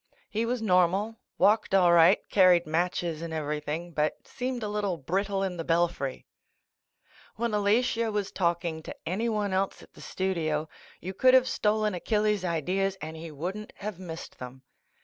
He was normal, walked all right, carried matches and everything, but seemed a little brittle in the belfry. VV/ HEN Alatia was talking to anyone else at the studio, you could have stolen Achilles' ideas and he wouldn't have missed them.